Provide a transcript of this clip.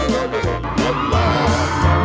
สวัสดีครับนะครับ